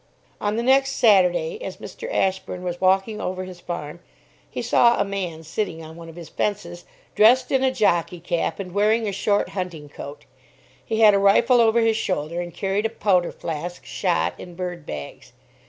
On the next Saturday, as Mr. Ashburn was walking over his farm, he saw a man sitting on one of his fences, dressed in a jockey cap, and wearing a short hunting coat. He had a rifle over his shoulder, and carried a powder flask, shot and bird bags.